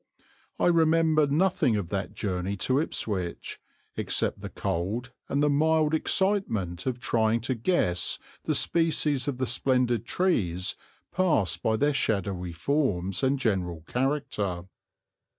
I remember nothing of that journey to Ipswich, except the cold and the mild excitement of trying to guess the species of the splendid trees passed by their shadowy forms and general character.